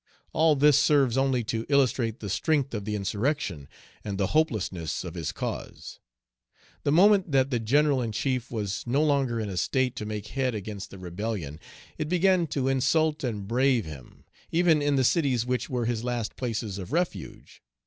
All this serves only to illustrate the strength of the insurrection, and the hopelessness of his cause. The moment that the General in chief was no longer in a state to make head against the rebellion, it began to insult and brave him, even in the cities which were his last places of refuge.